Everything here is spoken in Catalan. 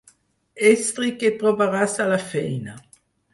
Estri que trobaràs a la feina.